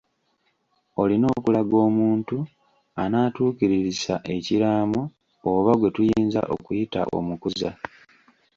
Olina okulaga omuntu anaatuukiririza ekiraamo. Oba gwe tuyinza okuyita omukuza.